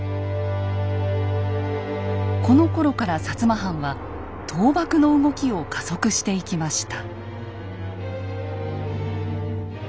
このころから摩藩は倒幕の動きを加速していきました。